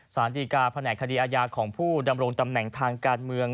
สตคพคดีอายของผู้ดำรงตำแหน่งทางการเมือง